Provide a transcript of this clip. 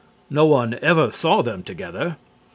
No one ever saw them together.